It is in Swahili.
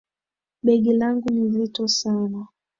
Begi langu ni zito sana